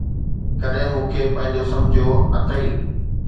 ڪڏھن مون کي پنھنجو سمجھيو اٿئي!